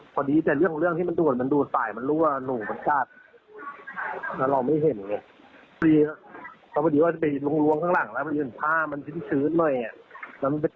ไปอุทหรณ์เลยนะ